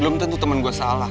belum tentu temen gue salah